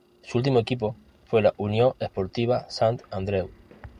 Su último equipo fue la Unió Esportiva Sant Andreu.